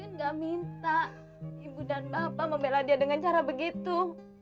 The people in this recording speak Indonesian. saya nggak minta ibu dan bapak membela dia dengan cara begitu